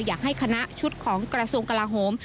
อยากให้คณะชุดของกระทรวงกลาโหม